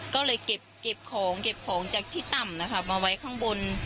ก็เลยเก็บของจากที่ต่ำมาไว้ข้างบน